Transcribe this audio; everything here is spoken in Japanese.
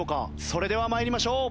それでは参りましょう。